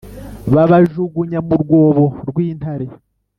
babajugunya mu rwobo rw intare